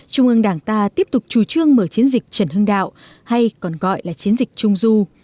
trung ương đảng ta tiếp tục chủ trương mở chiến dịch trần hưng đạo hay còn gọi là chiến dịch trung du